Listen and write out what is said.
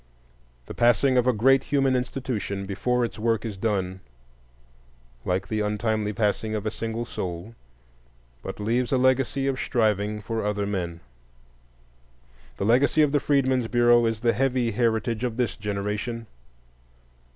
The passing of a great human institution before its work is done, like the untimely passing of a single soul, but leaves a legacy of striving for other men. The legacy of the Freedmen's Bureau is the heavy heritage of this generation.